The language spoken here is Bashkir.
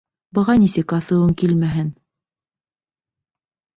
Быға нисек асыуың килмәһен!